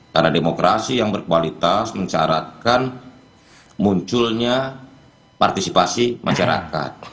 karena demokrasi yang berkualitas mencaratkan munculnya partisipasi masyarakat